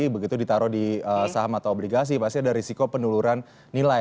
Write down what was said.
begitu ditaruh di saham atau obligasi pasti ada risiko peneluran nilai